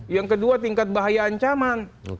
yang kedua tingkat bahaya ancaman